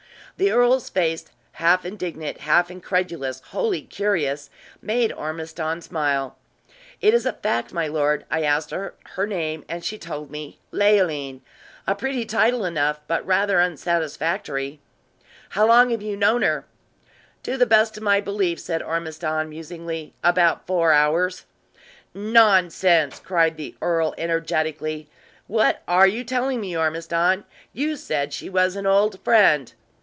The earl's face, half indignant, half incredulous, wholly curious, made Ormiston smile. "It is a fact, my lord. I asked her her name, and she told me Leoline a pretty title enough, but rather unsatisfactory." "How long have you known her?" "To the best of my belief," said Ormiston, musingly, "about four hours." "Nonsense!" cried the earl, energetically. "What are you telling me, Ormiston? You said she was an old friend."